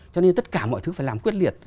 cho nên tất cả mọi thứ phải làm quyết liệt